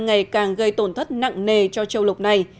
ngày càng gây tổn thất nặng nề cho châu lục này